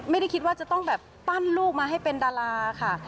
ไม่ได้คิดว่าจะต้องแบบปั้นลูกมาให้เป็นดาราค่ะ